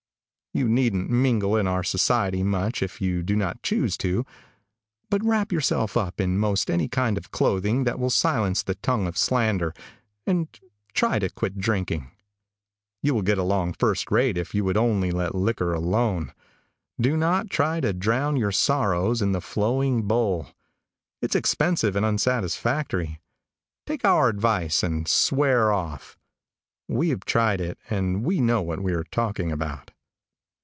You needn't mingle in our society much if you do not choose to, but wrap yourself up in most any kind of clothing that will silence the tongue of slander, and try to quit drinking. You would get along first rate if you would only let liquor alone. Do not try to drown your sorrows in the flowing bowl. It's expensive and unsatisfactory. Take our advice and swear off. We have tried it, and we know what we are talking about.